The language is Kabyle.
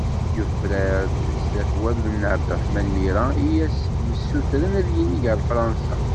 Yufrar-d sdat wallen n ƐAbdeṛṛeḥman Mira i as-yessutren ad yinig ɣer Fṛansa.